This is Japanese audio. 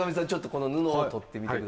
この布を取ってみてください。